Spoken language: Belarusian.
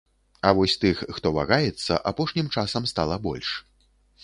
А вось тых, хто вагаецца, апошнім часам стала больш.